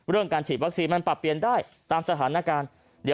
เรื่องการฉีดวัคซีนมันปรับเปลี่ยนได้ตามสถานการณ์